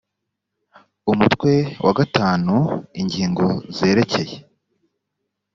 umutwe wa v ingingo zerekeye